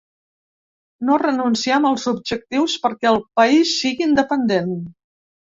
No renunciem als objectius perquè el país sigui independent.